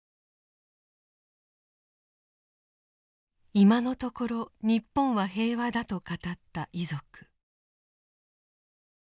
今のところ日本は平和だと語った遺族。